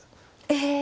え！